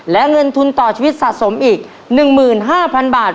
และเงินทุนต่อชีวิตสะสมอีก๑๕๐๐๐บาท